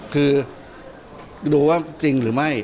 คือดูว่าจริงหรือไม่